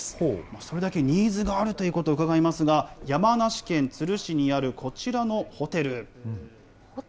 それだけニーズがあるということがうかがえますが、山梨県都留市にあるこちらのホテル。